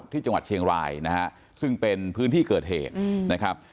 ที่จังหวัดเชียงรายนะฮะซึ่งเป็นพื้นที่เกิดเหตุนะครับ